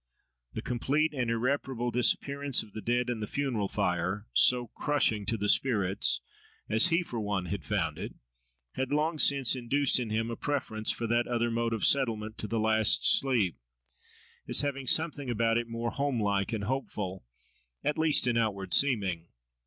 The complete and irreparable disappearance of the dead in the funeral fire, so crushing to the spirits, as he for one had found it, had long since induced in him a preference for that other mode of settlement to the last sleep, as having something about it more home like and hopeful, at least in outward seeming.